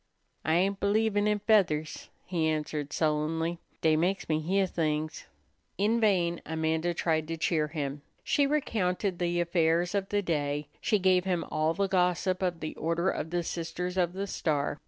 "I ain't believin' in feathers," he answered sullenly; "dey meks me heah things." In vain Amanda tried to cheer him; she recounted the affairs of the day; she gave him all the gossip of the Order of the Sisters of the Star.